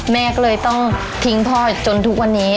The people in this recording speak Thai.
แม่ก็เลยต้องทิ้งพ่อจนทุกวันนี้